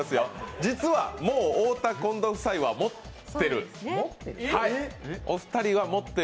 実は、もう太田・近藤夫妻は持っている。